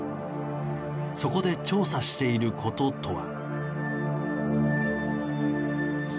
そこで調査していることとは。